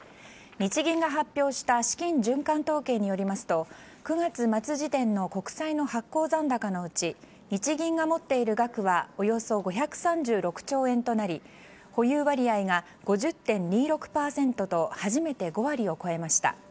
日銀が発表した資金循環統計によりますと９月末時点の国債の発行残高のうち日銀が持っている額はおよそ５３６兆円となり保有割合が５０．２６％と初めて５割を超えました。